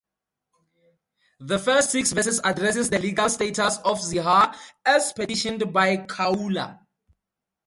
The first six verses addresses the legal status of "zihar", as petitioned by Khaula.